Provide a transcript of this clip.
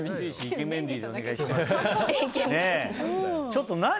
ちょっと何？